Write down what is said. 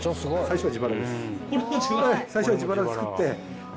最初は自腹で作って。